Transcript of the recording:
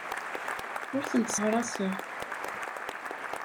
Ur tent-sseɣraseɣ.